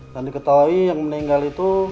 dan diketahui yang meninggal itu